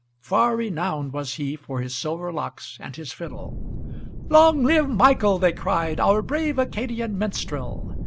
Far renowned was he for his silver locks and his fiddle. "Long live Michael," they cried, "our brave Acadian minstrel!"